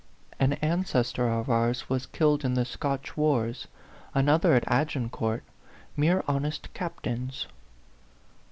An ancestor of ours was killed in the Scotch wars, another at Agincourt mere honest captains."